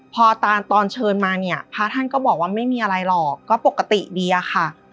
พอตอนเชิญมาเนี่ยพระท่านก็บอกว่าไม่มีอะไรหรอกก็ปกติดีอะค่ะ